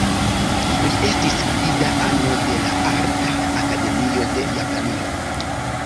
Li estis gvida ano de la Arta Akademio de Japanio.